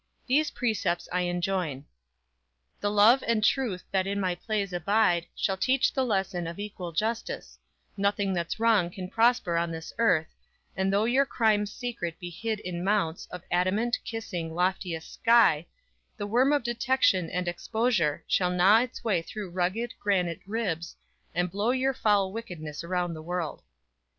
These precepts I enjoin: _The Love and Truth that in my plays abide Shall teach the lesson of equal justice; Nothing that's wrong can prosper on this earth, And though your crime secret be hid in mounts Of adamant, kissing, loftiest sky, The worm of detection and exposure Shall gnaw its way through rugged, granite ribs And blow your foul wickedness around the world.